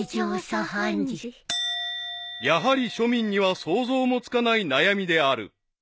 ［やはり庶民には想像もつかない悩みである］